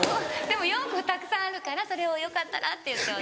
でも４個たくさんあるからそれを「よかったら」って言って。